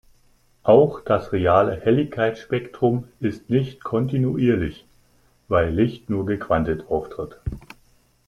Auch das reale Helligkeitsspektrum ist nicht kontinuierlich, weil Licht nur gequantelt auftritt.